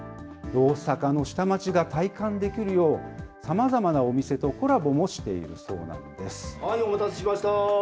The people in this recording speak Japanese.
大阪の下町が体感できるよう、さまざまなお店とコラボもしているお待たせしました。